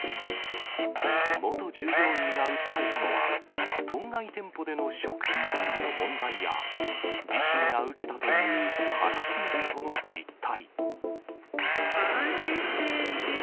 元従業員が訴えたのは、当該店舗での食品管理の問題や、自身が受けたというハラスメントの実態。